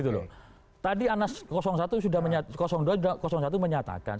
tadi anas dua dan anas satu menyatakan